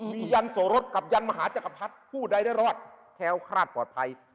มียันสโรธกับยันมหาจักรพัดผู้ได้ได้รอดแถวข้าดปลอดภัย